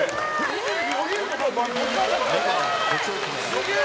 すげえ！